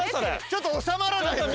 ちょっと収まらないのよ。